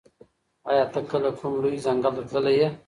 ایا ته کله کوم لوی ځنګل ته تللی یې؟